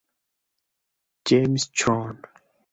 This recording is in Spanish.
James Chron.